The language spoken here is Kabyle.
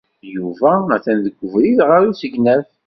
Yuba atan deg ubrid ɣer usegnaf.